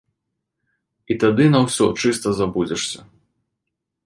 І тады на ўсё чыста забудзешся.